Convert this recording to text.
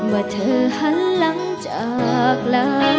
มาเธอให้ล่างจากลัง